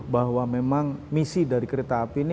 bahwa memang misi dari kereta api ini